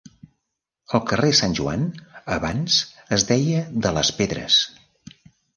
El carrer Sant Joan abans es deia de les Pedres.